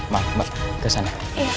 maaf mbak kesana